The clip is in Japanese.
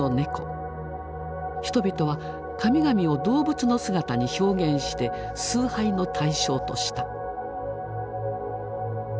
人々は神々を動物の姿に表現して崇拝の対象とした。